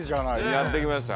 やって来ました。